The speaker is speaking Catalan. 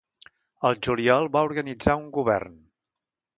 El juliol va organitzar un govern.